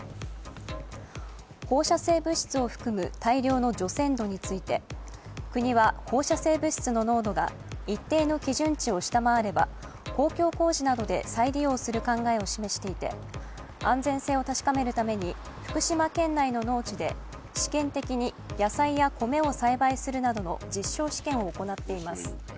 放射性物質を含む大量の除染土について国は放射性物質の濃度が一定の基準値を下回れば公共工事などで再利用する考えを示していて安全性を確かめるために福島県内の農地で試験的に野菜や米を栽培するなどの実証試験を行っています。